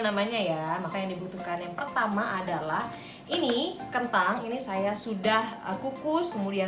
namanya ya maka yang dibutuhkan yang pertama adalah ini kentang ini saya sudah kukus kemudian